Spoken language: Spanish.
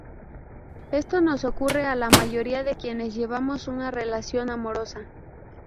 Esto nos ocurre a la mayoría de quienes llevamos una relación amorosa.